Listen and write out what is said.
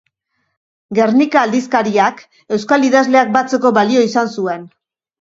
Gernika aldizkariak euskal idazleak batzeko balio izan zuen.